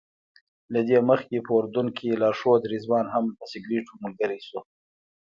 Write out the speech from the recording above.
له دې مخکې په اردن کې لارښود رضوان هم په سګرټو ملګری شو.